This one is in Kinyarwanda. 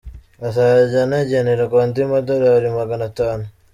azajya anagenerwa andi madorali magana atanu